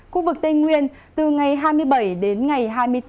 khu vực tây nguyên từ ngày hai mươi bảy đến ngày hai mươi bốn